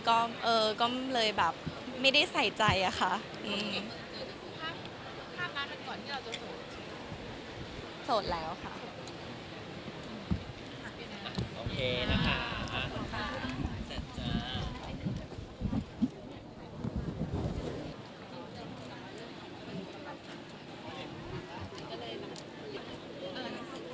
ก็เอ่อก็เลยแบบไม่ได้ใส่ใจอ่ะค่ะอืม